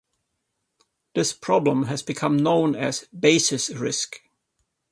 This problem has become known as "basis risk".